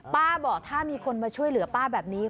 ป้าบอกถ้ามีคนมาช่วยเหลือป้าแบบนี้